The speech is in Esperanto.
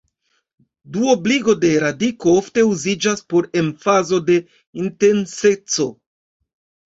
Duobligo de radiko ofte uziĝas por emfazo de intenseco.